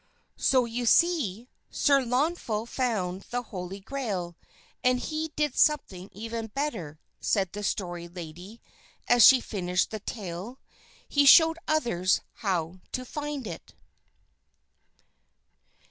"So you see, Sir Launfal found the Holy Grail, and he did something even better," said the Story Lady as she finished the tale; "he showed others how to find it."